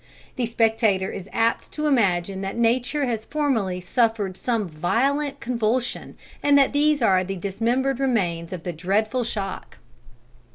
The spectator is apt to imagine that nature has formerly suffered some violent convulsion, and that these are the dismembered remains of the dreadful shock."